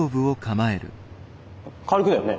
軽くだよね？